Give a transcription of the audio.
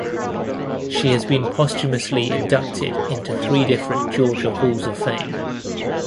She has been posthumously inducted into three different Georgia halls of fame.